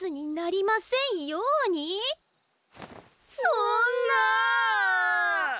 そんな！